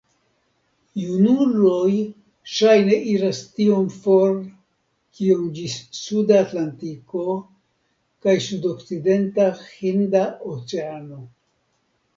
Junuloj ŝajne iras tiom for kiom ĝis suda Atlantiko kaj sudokcidenta Hinda Oceano.